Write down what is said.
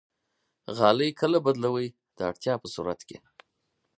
غالۍ کله بدلوئ؟ د اړتیا په صورت کې